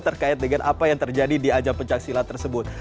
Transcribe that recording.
terkait dengan apa yang terjadi di ajang pencaksilat tersebut